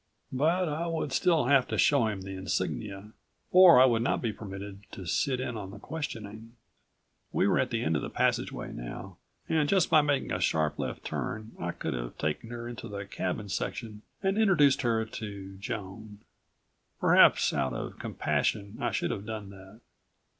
But I would still have to show him the insignia ... or I would not be permitted to sit in on the questioning. We were at the end of the passageway now and just by making a sharp left turn I could have taken her into the cabin section and introduced her to Joan. Perhaps, out of compassion, I should have done that